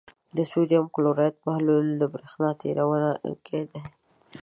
د سوډیم کلورایډ محلول برېښنا تیروونکی دی.